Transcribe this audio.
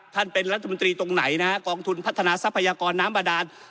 ท่านเป็นรัฐมนตรีตรงไหนนะฮะกองทุนพัฒนาทรัพยากรน้ำบาดาน